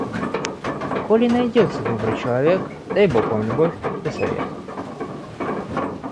Коли найдется добрый человек, дай бог вам любовь да совет.